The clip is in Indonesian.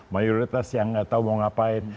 mayoritas yang nggak tahu mau ngapain